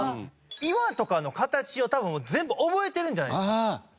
岩とかの形を多分全部覚えてるんじゃないですか？